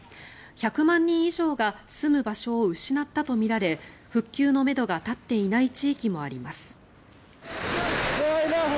１００万人以上が住む場所を失ったとみられ復旧のめどが立っていない地域もあります。